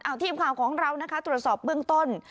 เอาทีมข่าวของเรานะคะตรวจสอบเบื้องต้น